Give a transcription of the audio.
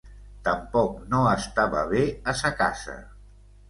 Tampoc no estava bé a sa casa.